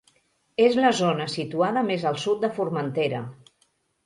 És la zona situada més al Sud de Formentera.